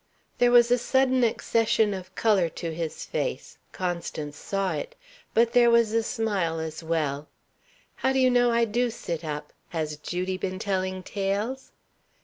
There was a sudden accession of colour to his face Constance saw it; but there was a smile as well. "How do you know I do sit up? Has Judy been telling tales?"